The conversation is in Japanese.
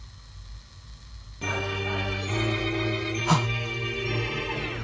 あっ